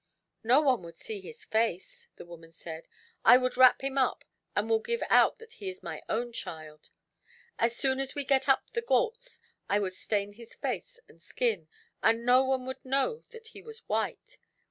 "No one would see his face," the woman said. "I would wrap him up, and will give out that he is my own child. As soon as we get up the Ghauts I would stain his face and skin, and no one would know that he was white.